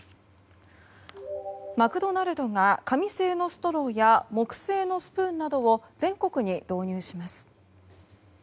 マクドナルドが紙製のストローや木製のスプーンなどを全国に導入します。